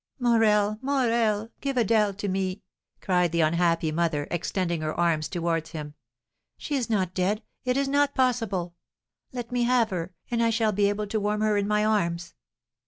"Morel! Morel, give Adèle to me!" cried the unhappy mother, extending her arms towards him; "she is not dead, it is not possible! Let me have her, and I shall be able to warm her in my arms."